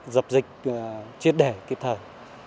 giúp dịch triết đẻ kịp thời